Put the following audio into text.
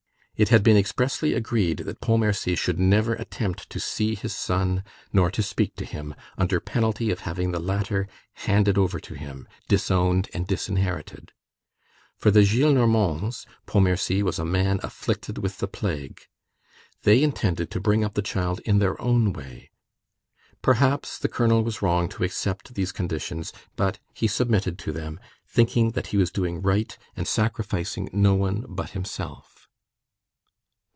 It had been expressly agreed that Pontmercy should never attempt to see his son nor to speak to him, under penalty of having the latter handed over to him disowned and disinherited. For the Gillenormands, Pontmercy was a man afflicted with the plague. They intended to bring up the child in their own way. Perhaps the colonel was wrong to accept these conditions, but he submitted to them, thinking that he was doing right and sacrificing no one but himself.